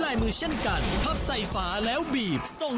แล้วได้แล้วโอ้โห